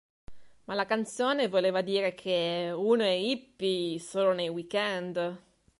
Ma la canzone voleva dire che... uno è un hippie solo nei weekend.